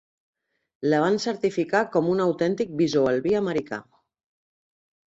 La van certificar com un autèntic bisó albí americà.